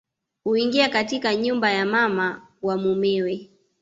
Huingia katika nyumba ya mama wa mumewe